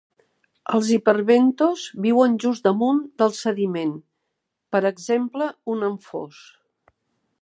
Els hiperbentos viuen just damunt del sediment, per exemple un anfós.